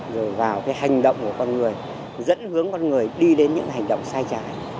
rồi vào cái hành động của con người dẫn hướng con người đi đến những hành động sai trái